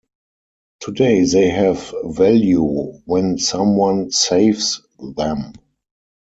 Today they have value when someone saves them.